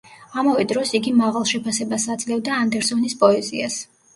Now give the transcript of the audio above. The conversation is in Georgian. ამავე დროს, იგი მაღალ შეფასებას აძლევდა ანდერსონის პოეზიას.